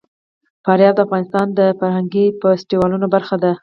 فاریاب د افغانستان د فرهنګي فستیوالونو برخه ده.